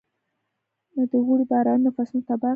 د اوړي بارانونو فصلونه تباه کړل.